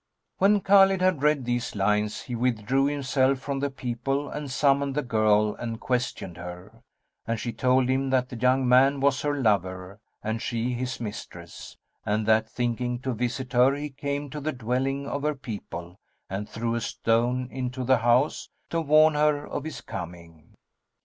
When Khбlid had read these lines he withdrew himself from the people and summoned the girl and questioned her; and she told him that the young man was her lover and she his mistress; and that thinking to visit her he came to the dwelling of her people and threw a stone into the house, to warn her of his coming.